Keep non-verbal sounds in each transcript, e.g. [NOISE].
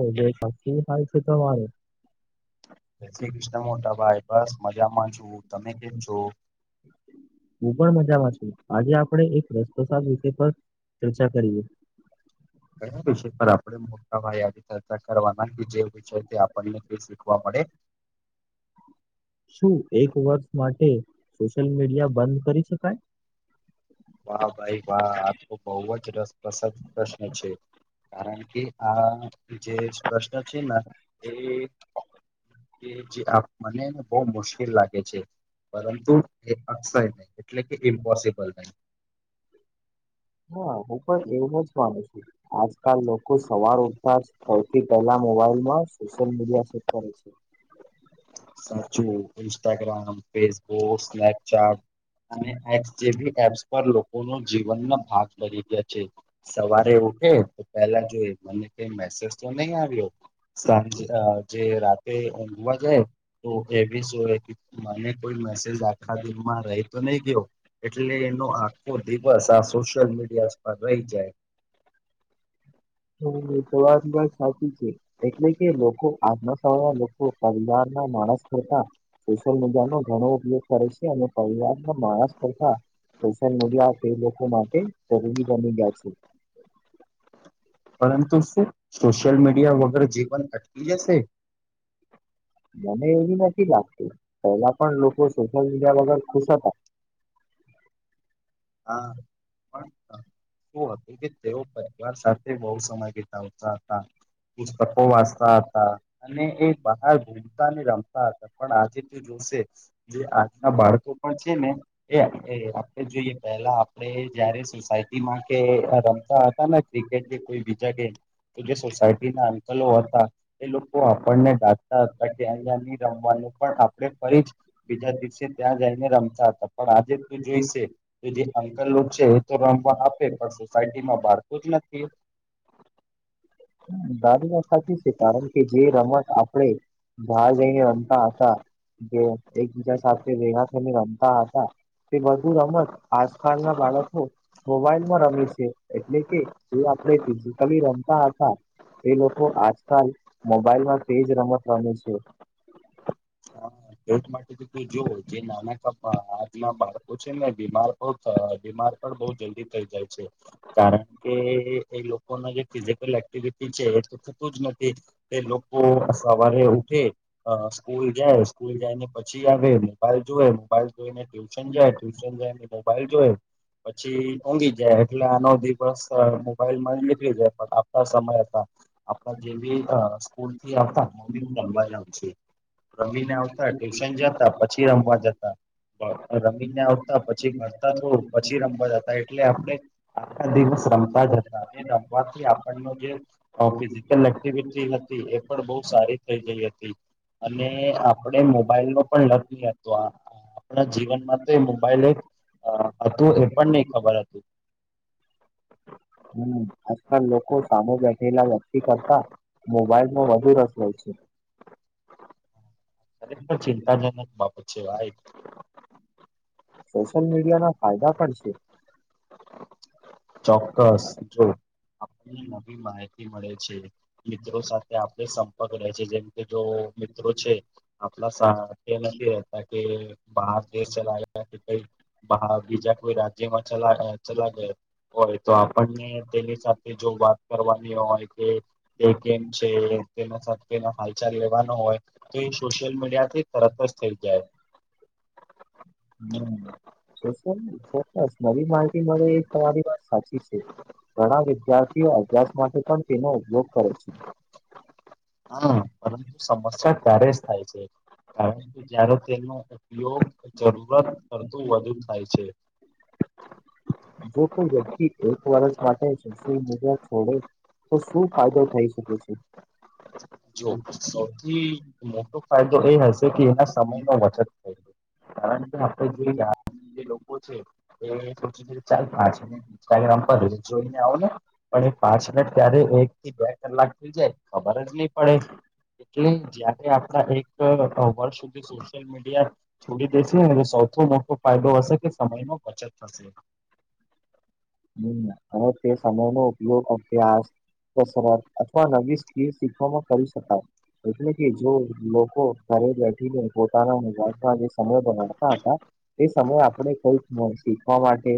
ઓ જ સાી થાલ છે તમારે જય શ્રી કૃષ્ણ મોટા ભાઈ બસ મજામાં જુ તમે કેમ છો [INAUDIBLE] હું પણ મજામાં છું આજે આપણે એક રસ્તો વિષ પર ચર્ચા કરીએ ઘયા વિષય પર આપડે મોટા ભ યાદ કરવાના જેવ છે તે આપણને શીખવા મળે શું એક વર્ષ માટે સોશિયલ મીડિયા બંધ કરી શકાય વાહ ભાઈ વાહ આ તો બહ જ રસપ્રસદ પ્રશ્ન છે કારણ કે આ જે પ્રપશ્ન છે ને એ જે મનેને બહુ મુશ્કેલ લાગે છે પરંતુ એ અક્ષય નહી એટલે કે ઇમ્પોસિબલ નહી હા હું પણ એવું જ માનું છું આજકાલ લોકો સવાર ઉઠતા સૌથી પહેલા મોબાઈલ માં સોશિયલ મીડિયા શે કરે છે સાચું ન્સ્ટાગ્રામ ફેસબુક સ્નેપચેટ અને એસ જે એપ્સ પર લોકો ન જીવનમાં ભાગ બરી ગયા છે સવારે ઉઠે તો પેલા જોઈ મને કઈ મેસેજ તો નહી આવ્યો સાંજે જે રાતે ઊંઘવા જાય તો એવી શ મને કોઈ મેસેજ આખલા દિનમાં રહી તો નહી ગયો એટલે એનો આખો દિવસ આ સોશયલ મીડિયા પર રહી જાય હમ સ વાર બત સાચી છે એટલે કે લોકો આત્મ સ લોકો પરિવાર ના માણસ કરતા સોશિયલ મીડિયા નો ઘણો ઉપયોગ કરે છે અને પરિવાર ના માણસ કરતા પન મ્યા તે લોકો માટે જરૂરી બની ગ્યા છે પરંતુ શું સોશિયલ મીડિયા વગર જીવન અટકી જશે મને એવી નથી લાગત પહેલા પણ લોકો શો ા બગર ખુશ હતા હા કોણ શું હતું કે તેઓ પરિવાર સાથે બહુ સમય વિતાવતા હતા પુસ્તકો વાંચતા હતા અને એક બહાર ભીમતા ને રમતા હતા પણ આજે ત જોશે જે આજના બાળકો પણ છે ને એ આપણે જોઈએ પેલા આપડે જયારે સોસાયટીમાં કે રમતા હતા ને ક્રિકેટ કે કોઈ બીજા ગેમ તો જે સોસાયટી ના અંકલો હતા એ લોકો આપણને ડાતા હતા કે અહીયા નહી રમવાનું પણ આપણે ફરી જ બીજા દિવસે ત્યાં જઈને રમતા હતા પણ આજે તું જોઈશે ી અંકલ છે તો રમવા આપે પણ સોસાયટી માં બાારતું જ નથી દારી વાત સાચી છે કારણ કે જે રમત આપણેે ભાગ જઈને અતા આશ જે એકબીજા સાથે વેહા થને રમતા હતા તે બધું રમત આજકાલ ના બાળકો હો મોબાઈલમાં રમે છે એટલે કે જે આપડેજું કવ રમતા હતા તે લોકો આજકાલ મોબાઈલમાં તેજ રમત રમે છે ટ માટે તો ત જો જે નાના ક આજ ના બાળકો છે ને બીમાર બીમાર પણ બહ જલ્દી થઈ જાય છે કારણ કે એ લોકોના જે ફિઝિકલ ર છે એ તો થતું જ નથી તે લોકો સવારે ઉઠે સ્કૂલ જાય સ્કૂલ જાય ને પછી આવે મોબાઈલ જોઈ મોબાઈલ જોઈ ને ટ્યુશન જાય ટ્યુશન જાય ને મોબાઈલ જોઈ પછી મોંઘી જાય એટલે આનો દિવસ મોબાઈલ માં નીકળી જાય પણ આપતા સમય હતા આપણા જે બી સ્કૂલ થી આવતા મમ્મી રમવા આવશે રમીને આવતા ટ્યુશન જતા પછી રમવા જતા રમીને આવતા પછી ભરતા થોડું પછી રમવા જતા એટલે આપડ આખા દિવસ રમતા જ હતા અને રમવાથી આપણનો જે ફિઝિકલ એક્ટિવિટી હતી એ પણ બહ સારી થઈ ગઈ હતી અને આપડ મોબાઈલ નો પણ લગ ન હતો આ આપણા જીવનમાં તો એ મોબાઈલ એક હતું એ પણ નહી ખબર હતું [INAUDIBLE] હમ આજકાલ લોકો સામે બેઠેલા વ્યક્તિ કરતા મોબાઈલમાંો વધુ રસ હોય છે. રેક પણ ચિંતાજનક બાબત છે એક સોશિયલ મીડિયા ના ફાયદા પણ છે. ચોક્કસ જો ન મળે છે મિત્રો સાથે આપણે સંપર્ક રહે છે જેમ કે જો મિત્રો છે. આપલા સા એ નથી રહેતા કે બહાર દેશ ચલાલા કે કઈ બીજા કોઈ રાજ્યમાં ચલા ચલા ગયા હોય તો આપણને તેની સાથે જો વાત કરવાની હોય કે એકમ છે તેના સાથેનો હાલચાલ લેવાનો હોય તો એ સોશિયલ મીડિયા થી તરત જ થઈ જાય હ સર ચોક્કસ નવી માહિતી મળે એ તમારી વાત સાચી છે. ઘણા વિદ્યાર્થીઓ અભ્યાસ માટે પણ તેનો ઉપયોગ કરે છે. હા પરંતુ સમસ્યા ત્યારે જ થાય છે. કારણ કે જયારે તેનો ઉપયોગ જરૂરત કરતું વધુ થાય છે. જો કોઈ વ્યક્તિ એક વરષ વા છે મુજા છોડે તો શું ફાયદો થઈ શકે છે. જો સૌથી મોટો ફાયદો એ હશે જોકે એના સમય ન વચન થાય કારણ કે આપડ જોઈ જે લોકો છે એ છો ચાલ પાચ ઇન્સ્ટાગ્રામ પર જોઈને આવ ને પણ એ પાંચ મિનટ ક્યારે એક થી બે કલાક થઈ જાય ખબર જ નહી પડે એટલે જયારે આપડા એક વર્ષ સુધી સોશિયલ મીડિયા છોડી દેશે એ સૌથી મોટો ફાયદો હશે કે સમય ન બચત થશે હ હવે તે સમય નો ઉપયોગ અભ્યાસ કસરત અથવા નવી સ્ શીખવામાં કરી શકાય એટલે કે જો લોકો ઘરે બેઠીને પોતાના સમય બનાતા હત એ સમય આપણે કઈક શીખવા માટે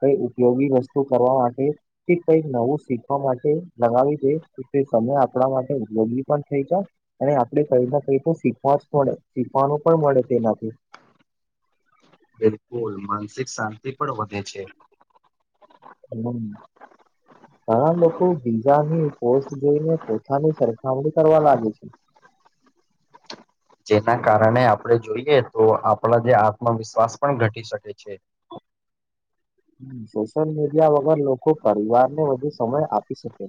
કઈ ઉપયોગી વસ્તુ કરવા માટે. કઈક નવું શીખવા માટે લગાવી દે સમય આપણા માટે ઉપયોગી પણ થઈ જ અને આપડણે કઈ ના કઈ તો શીખવા જ પડે શીખવાનું પણ મળે તેનાથી બિલકુલ માનસિક શાંતિ પણ વધે છે હમ હા લોકો કોથી ની પોસ્ટ જોઈને પોતાની સરખામણી કરવા લાગે છે જેના કારણે આપણેે જોઈએ તો આપણા જે આત્મવિશ્વાસ પણ ઘટી શકે છે સોશિયલ મીડિયા વગર લોકો પરિવારને વધુ સમય આપી શકે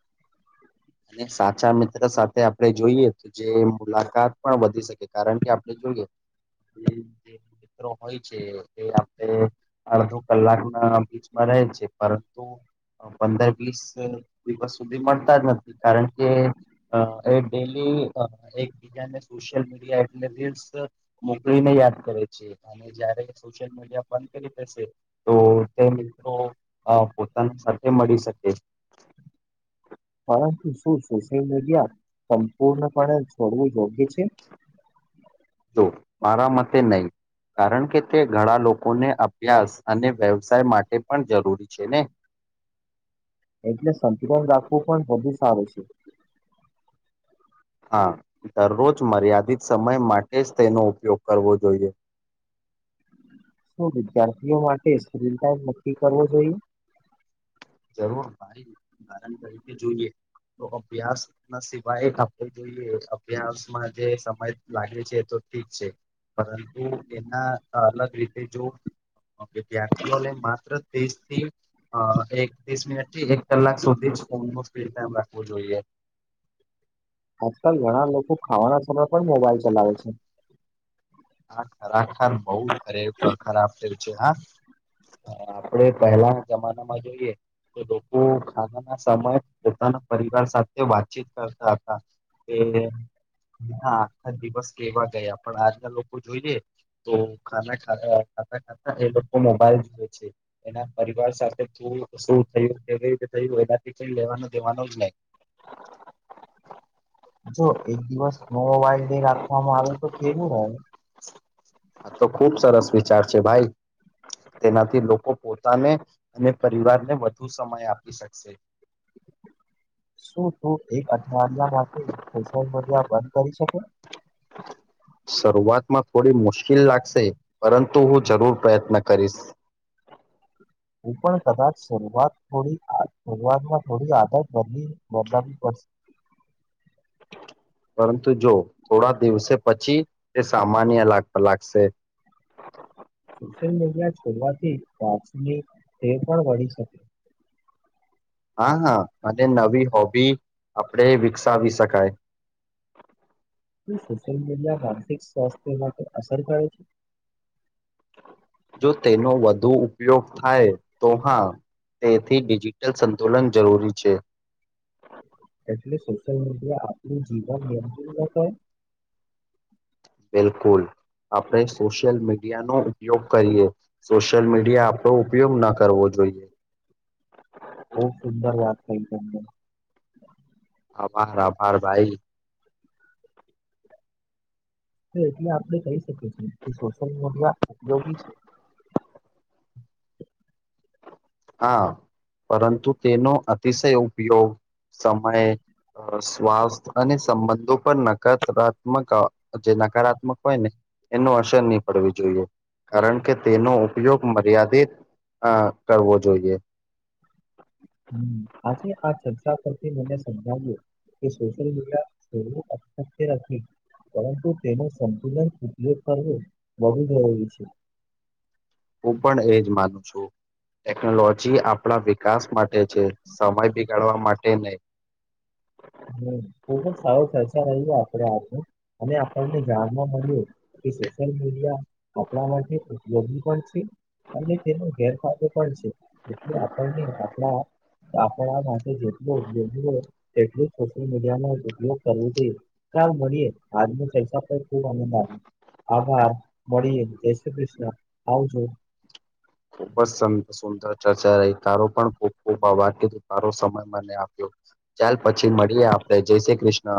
[INAUDIBLE] અને સાચા મિત્ર સાથે આપણે જોઈએ તો જે મુલાકાત પણ વધી શકે કારણ કે આપણે જોઈએ હોય છે એ આપણે અડધો કલાક ના બીચમાં રહે છે પરંતુ પંદર વીસ દિવસ સુધી મળતા જ નથી કારણ કે. અ એ ડેલી એકબીજાને સોશિયલ મીડિયા એટલે રીલ્સ મોકલી ને યાદ કરે છે અને જયારે સોશિયલ મીડિયા બંધ કરી. તો તેમ તો અ પોતાની સાથે મળી શકે પરંતુ શું સોશિયલ મીડિયા સંપૂર્ણપણે છોડવું યોગ્ય છે. તો મારા મતે નય કારણ કે તે ઘણા લોકોને અભ્યાસ અને વ્યવસાય માટે પણ જરૂરી છે, ને એટલે સંતુલન રાખવું પણ વધુ સારું છે. હા દરરોજ મર્યાદિત સમય માટે જ તેનો ઉપયોગ કરવો જોઈએ શું વિદ્યાર્થીઓ માટે [UNINTELLIGIBLE] નક્કી કરવો જોઈએ જરૂર તરીકે જોઈએ તો અભ્યાસ ના સિવાય આપણે જોઈએ અભ્યાસમાં જે સમય લાગે છે, તો ઠીક છે. પરંતુ એના અલગ રીત તે જો વિદ્યાર્થીઓને માત્ર ત્રીસથી અ એક ત્રીસ મિનિટથી એક કલાક સુધી ફોનનો સ્પીડમ રાખવું જોઈએ આજકાલ ઘણા લોકો ખાવાના સમયે પણ મોબાઈલ ચલાવે છે. હા ખરાખર બોવ ખરેખરા થે છે હા હા આપડે પહેલાના જમાનામાં જોઈએ લોકો ખાનાના સમય પોતાના પરિવાર સાથે વાતચીત કરતા હતા તે હ આખા દિવસ કેવા ગયા પણ આજના લો જોઈએ તો ખાના ખા ખાતા ખાતા એ લોકો મોબાઈલ જુએ છે. એના પરિવાર સાથે કેવું શું થયું કેવી રીતે થયું એનાથી કઈ લેવાનું દેવાનું જ નય [INAUDIBLE] જો એક દિવસ મોબાઈલ ડે રાખવામાં આવે તો કેવું રહે આ તો ખુબ સરસ વિચાર છે, ભાઈ તેનાથી લોકો પોતાને અને પરિવારને વધુ સમય આપી શકશે [UNINTELLIGIBLE] શું તું એક અઠવાડિયા માટે સોશિયલ મીડિયા બંધ કરી શકે? શરૂઆતમાં થોડી મુશ્કેલ લાગશે પરંતુ હું જરૂર પ્રયત્ન કરીશ હું પણ કદાચ શરૂઆત થોડી શરૂઆતમાં થોડી આદત બદલી બદલાવી પડશે પરંતુ જો થોડા દિવસે પછી તે સામાન્ય લાગ લાગશે સોશિયલ મીડિયા છોડવાથી કાચની તે પણ વળી શકે આ હા હા અને કારણે નવી હોબી આપડે વિકસાવી શકાય સોશિયલ મીડિયા માનસિક સ્વાસ્થ્ય માટે અસર કરે છે. જો તેનો વધુ ઉપયોગ હા, થાય તો એ હા એ તેથી ડિજિટલ સંતુલન જરૂરી છે. એટલે સોશિયલ મીડિયા આપણુ જીવન નિયંત્રણ બિલકુલ આપણે સોશિયલ મીડિયાનો ઉપયોગ કરીએ સોશિયલ મીડિયા આપડો ઉપયોગ ના કરવો જોઈએ બોવ સુંદર વાત કઈ તમને આભાર આભાર ભાઈ તો એટલે આપડે કહી શકીએ છીએ કે સોશિયલ મીડિયા ઉપયોગી છે. હા પરંતુ તેનો અતિશય ઉપયોગ સમય અ સ્વાસ્થ અને સંબંધો પર નકારાત્મક જે નકારાત્મક હોય ને એનો અસર ની પડવી જોઈએ કારણ કે તેનો ઉપયોગ મર્યાદિત અ કરવો જોઈએ હ આજે આ ચર્ચા પરથી મને સમજાવ્યું કે સોશિયલ મીડિયા છોડવું અશક્ય નથી પરંતુ તેનો સંપૂર્ણ ઉપયોગ કરવું બહુ જરૂરી છે. હું પણ એજ માનું છું ટેકનોલોજી આપણા વ વિકાસ માટે છે, સમય બિગાડવા માટે નહી હમ ખૂબ જ સારો ચર્ચા રહી આપડે આગળ અને આપણને જાણમાં મળ્યું કે સોશિયલ મીડિયા આપણા માટે ઉપયોગી પણ છે. અને તેનો ગેરફાયદો પણ છે એટલે આપણને આ આપણા આ માટે જેટલો ઉપયોગી હોય તેટલું સોશિયલ મીડિયા ન ઉપયોગ કરવો જોઈએ ચાલ મળીએ આજ ની પૈસા પણ ખુબ આનંદ આવ્યો આભાર મળીએ જય શ્રી કૃષ્ણ આવજો ખૂબ જ સં સુંદર ચર્ચા રહી તારો પણ ખૂબ ખૂબ આ બાકી તારો સમય મને આપ્યો. ચાલ પછી મળીએ આપડે જય શ્રી કૃષ્ણ